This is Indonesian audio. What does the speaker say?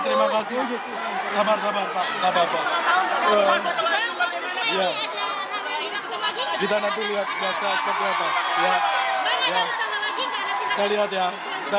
terima kasih buat teman teman buat teman teman media terima kasih